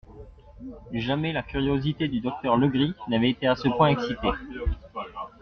Jamais la curiosité du docteur Legris n'avait été à ce point excitée.